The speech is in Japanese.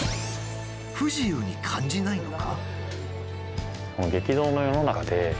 不自由に感じないのか？